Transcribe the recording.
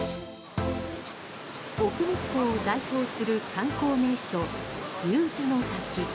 奥日光を代表する観光名所竜頭の滝。